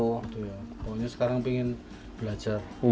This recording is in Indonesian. pokoknya sekarang ingin belajar